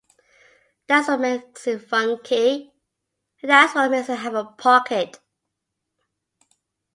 That's what makes it funky and that's what makes it have a pocket.